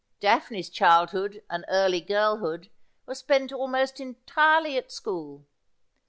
Daphne's childhood and early girl hood were spent almost entirely at school.